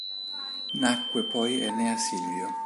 Nacque poi Enea Silvio.